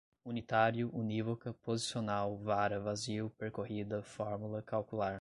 unitário, unívoca, posicional, vara, vazio, percorrida, fórmula, calcular